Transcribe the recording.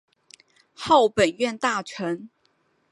号本院大臣。